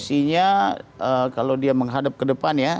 posisinya kalau dia menghadap ke depannya